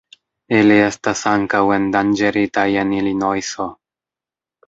Ili estas ankaŭ endanĝeritaj en Ilinojso.